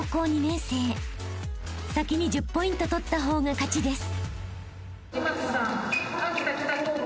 ［先に１０ポイント取った方が勝ちです］